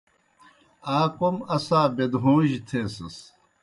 آ کوْم اسا بیدہوݩجیْ تھیسَس۔